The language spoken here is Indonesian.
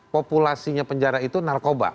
populasinya penjara itu narkoba